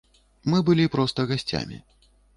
Мы былі проста гасцямі.